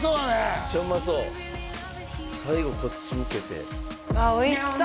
めっちゃうまそう最後こっち向けてうわおいしそう！